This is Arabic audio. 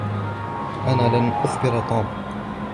أنا لن أخبر توم.